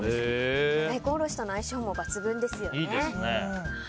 大根おろしとの相性も抜群ですよね。